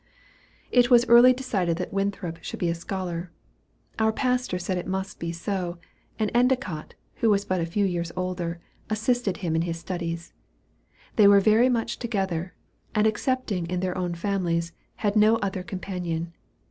It was early decided that Winthrop should be a scholar. Our pastor said it must be so, and Endicott, who was but a few years older, assisted him in his studies. They were very much together, and excepting in their own families, had no other companion.